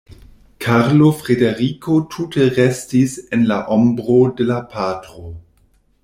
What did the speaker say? Karlo Frederiko tute restis en la ombro de la patro.